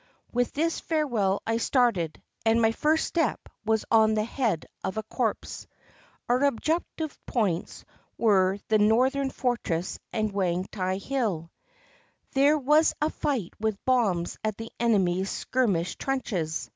With this farewell I started, and my first step was on the head of a corpse. Our objective points were the Northern Fortress and Wang tai Hill. There was a fight with bombs at the enemy's skir mish trenches.